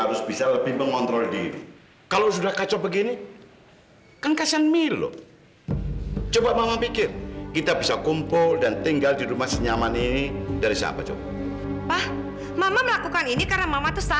untuk mengalah sekali saja mereka nggak mau